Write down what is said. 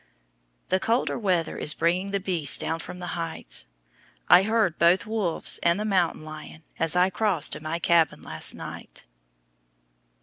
The colder weather is bringing the beasts down from the heights. I heard both wolves and the mountain lion as I crossed to my cabin last night.